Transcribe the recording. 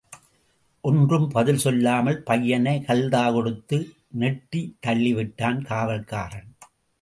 ஒன்றும் பதில் சொல்லாமல் பையனை கல்தா கொடுத்து நெட்டித் தள்ளிவிட்டான் காவல்காரன்.